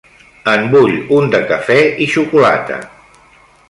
En vull un de cafè i xocolata.